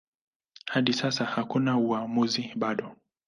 Hadi sasa hakuna uamuzi bado.